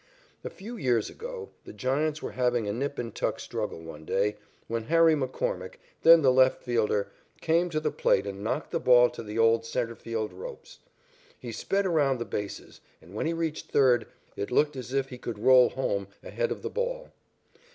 A few years ago, the Giants were having a nip and tuck struggle one day, when Harry McCormick, then the left fielder, came to the plate and knocked the ball to the old centre field ropes. He sped around the bases, and when he reached third, it looked as if he could roll home ahead of the ball.